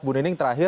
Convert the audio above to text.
bu nining terakhir